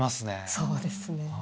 そうですね。